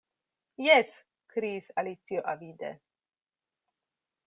"Jes," kriis Alicio avide.